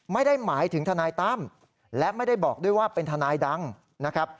ไม่ได้หมายถึงทนายตั้มและไม่ได้บอกด้วยว่าเป็นทนายดังนะครับ